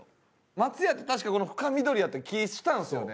松屋って確かこの深緑やった気ぃしたんですよね。